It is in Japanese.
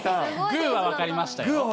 グーは分かりました？